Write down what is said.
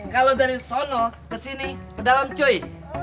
kalau dari sana ke sini ke dalam cuy